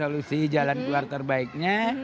solusi jalan keluar terbaiknya